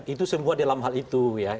itu semua dalam hal itu ya